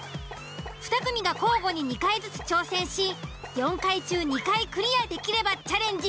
２組が交互に２回ずつ挑戦し４回中２回クリアできればチャレンジ